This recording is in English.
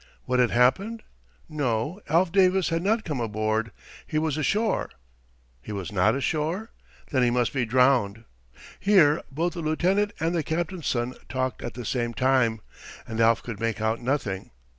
What had happened? No; Alf Davis had not come aboard. He was ashore. He was not ashore? Then he must be drowned. Here both the lieutenant and the captain's son talked at the same time, and Alf could make out nothing.